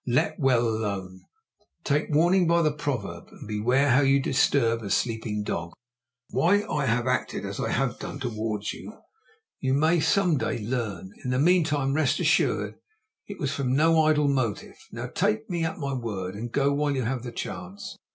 Let well alone. Take warning by the proverb, and beware how you disturb a sleeping dog. Why I have acted as I have done towards you, you may some day learn; in the meantime rest assured it was from no idle motive. Now take me at my word, and go while you have the chance.